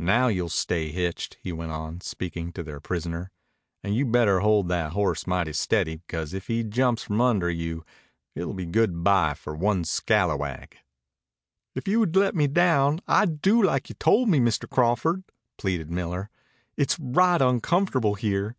"Now you'll stay hitched," he went on, speaking to their prisoner. "And you'd better hold that horse mighty steady, because if he jumps from under you it'll be good bye for one scalawag." "If you'd let me down I'd do like you told me, Mr. Crawford," pleaded Miller. "It's right uncomfortable here."